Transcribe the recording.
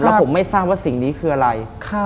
แล้วผมไม่ทราบว่าสิ่งนี้คืออะไร